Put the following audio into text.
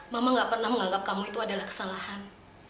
mama gak pernah menganggap kamu itu adalah kesalahan